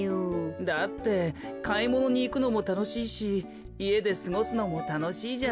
だってかいものにいくのもたのしいしいえですごすのもたのしいじゃない。